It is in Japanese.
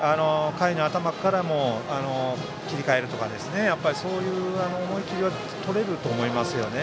回の頭から切り替えるとかそういう思い切りをとれると思いますよね。